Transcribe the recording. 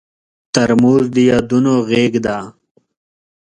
ترموز د یادونو غېږ ده.